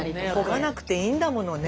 こがなくていいんだものね。